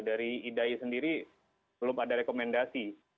dari idai sendiri belum ada rekomendasi